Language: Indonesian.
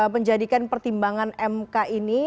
menjadikan pertimbangan mk ini